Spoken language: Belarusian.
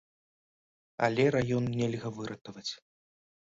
Але раён нельга выратаваць.